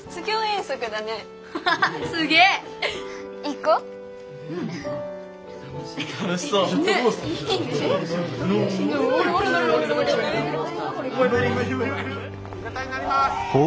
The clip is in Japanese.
味方になります。